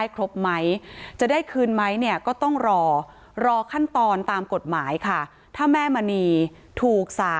ก็เปลี่ยนไปอยู่